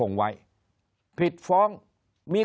คนในวงการสื่อ๓๐องค์กร